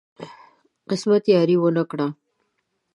قسمت یاري ونه کړه.